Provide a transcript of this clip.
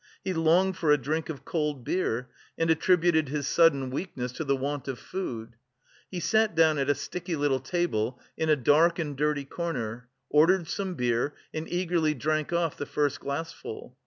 He longed for a drink of cold beer, and attributed his sudden weakness to the want of food. He sat down at a sticky little table in a dark and dirty corner; ordered some beer, and eagerly drank off the first glassful.